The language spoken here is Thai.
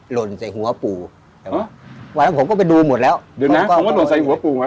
หล่นใส่หัวปู่เห็นไหมวันนั้นผมก็ไปดูหมดแล้วเดี๋ยวนางฟังว่าหล่นใส่หัวปู่ไหม